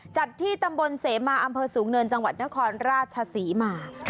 จัดที่ตำบลเสมาอำเภอสูงเนินจังหวัดนครราชศรีมา